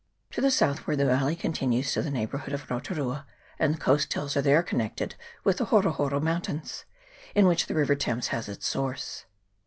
To the southward the valley continues to the neighbourhood of Rotu rua, and the coast hills are there connected with the Horo Horo Mountains, in which the river Thames has its source.